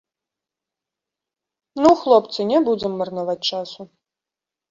Ну, хлопцы, не будзем марнаваць часу.